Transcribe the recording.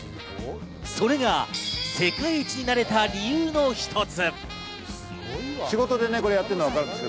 それが世界一になれた理由の一つ。